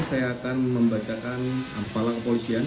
saya akan membacakan ampalang polisian